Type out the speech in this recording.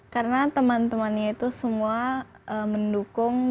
karena teman temannya itu semua mendukung